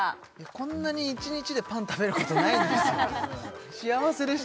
こんなに１日でパン食べることないです